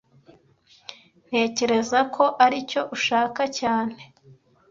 Ntekereza ko aricyo ushaka cyane